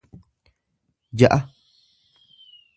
ja'a